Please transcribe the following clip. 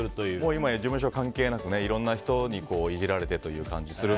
今や事務所関係なくいろいろな人にいじられてということですが。